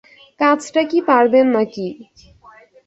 কাজটা কি পারবে নাকি?